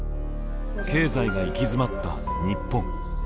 経済が行き詰まった日本。